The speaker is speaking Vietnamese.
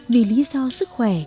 vì lý do sức khỏe